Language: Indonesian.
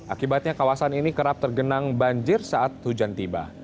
akibatnya kawasan ini kerap tergenang banjir saat hujan tiba